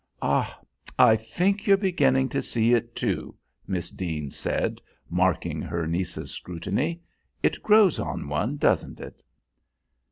"Ah, I think you're beginning to see it, too," Miss Deane said, marking her niece's scrutiny. "It grows on one, doesn't it?"